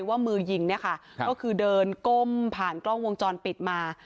ว่ามือยิงเนี่ยค่ะก็คือเดินก้มผ่านกล้องวงจรปิดมา